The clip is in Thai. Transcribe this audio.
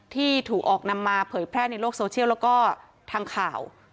ที่ถูกออกนำมาเผยแพร่ในโลกโซเชียลแล้วก็ทางข่าว